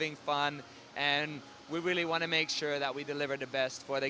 yang penuh dengan tema di indonesia